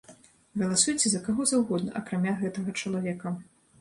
Галасуйце за каго заўгодна акрамя гэтага чалавека.